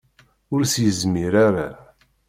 Ur s-yezmir ara.